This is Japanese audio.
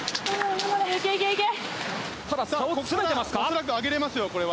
恐らく上げれますよ、これは。